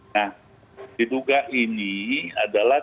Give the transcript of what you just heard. nah ditugak ini adalah